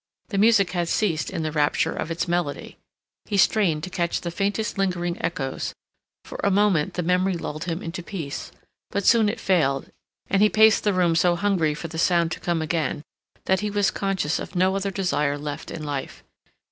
The music had ceased in the rapture of its melody. He strained to catch the faintest lingering echoes; for a moment the memory lulled him into peace; but soon it failed, and he paced the room so hungry for the sound to come again that he was conscious of no other desire left in life.